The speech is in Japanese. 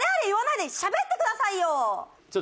言わないでしゃべってくださいよ！